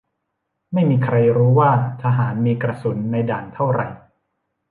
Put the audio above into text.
ไม่มีใครรู้ว่าทหารมีกระสุนในด่านเท่าไหร่